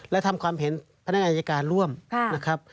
และทำความเห็นพนักงานอายการร่วมนะครับ